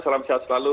salam sehat selalu